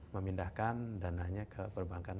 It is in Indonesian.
memindahkan dana nya ke perbankan